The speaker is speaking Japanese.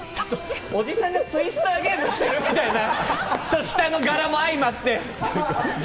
おじさんがツイスターゲームしてるみたいな、下の絵もあいまって。